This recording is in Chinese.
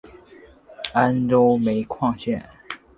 安州煤矿线